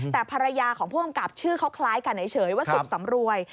แต่ภรรยาของผู้กำกับชื่อเขาคล้ายกันเฉยว่าสุขสำรวย